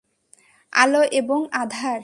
আলো এবং আঁধার।